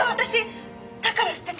だから捨てた。